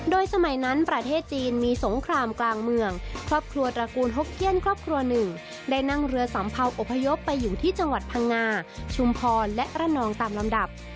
สมัยนั้นประเทศจีนมีสงครามกลางเมืองครอบครัวตระกูลฮกเกี้ยนครอบครัวหนึ่งได้นั่งเรือสัมเภาอพยพไปอยู่ที่จังหวัดพังงาชุมพรและระนองตามลำดับ